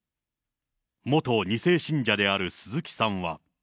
元２世信者である鈴木さんは。